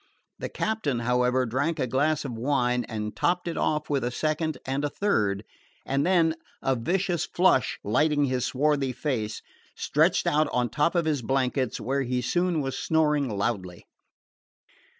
The captain, however, drank a glass of wine, and topped it off with a second and a third, and then, a vicious flush lighting his swarthy face, stretched out on top of his blankets, where he soon was snoring loudly.